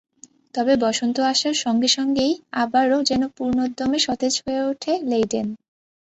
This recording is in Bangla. তবে বসন্ত আসার সঙ্গে সঙ্গেই আবারও যেন পূর্ণোদ্যমে সতেজ হয়ে ওঠে লেইডেন।